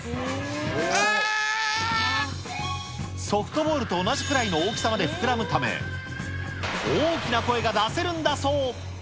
ソフトボールと同じくらいの大きさまで膨らむため、大きな声が出せるんだそう。